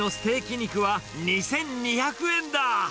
肉は２２００円だ。